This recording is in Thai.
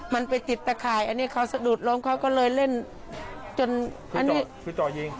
มันไปติดตะข่ายอันนี้เขาสะดุดล้มเขาก็เลยเล่นจนอันนี้คือต่อยิง